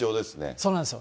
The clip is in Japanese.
そうなんですよ。